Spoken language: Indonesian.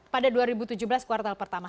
pada dua ribu tujuh belas kuartal pertama